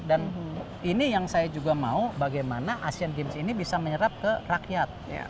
ini yang saya juga mau bagaimana asean games ini bisa menyerap ke rakyat